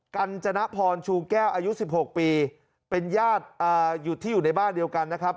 กัญจนพรชูแก้วอายุ๑๖ปีเป็นญาติอยู่ที่อยู่ในบ้านเดียวกันนะครับ